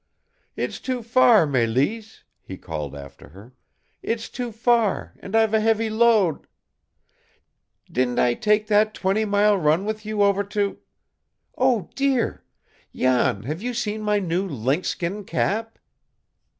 "It's too far, Mélisse," he called after her. "It's too far, and I've a heavy load " "Didn't I take that twenty mile run with you over to Oh, dear! Jan, have you seen my new lynx skin cap?"